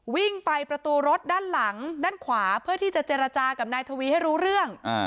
วิ่งไปประตูรถด้านหลังด้านขวาเพื่อที่จะเจรจากับนายทวีให้รู้เรื่อง